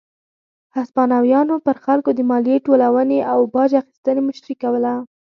هسپانویانو پر خلکو د مالیې ټولونې او باج اخیستنې مشري کوله.